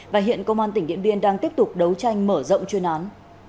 và hiện công an tỉnh điện biên đang tiếp tục đấu tranh mở rộng chuyên án